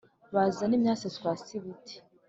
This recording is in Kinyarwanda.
Bazane imyase twase ibiti